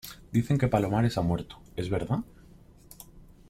dicen que Palomares ha muerto. ¿ es verdad?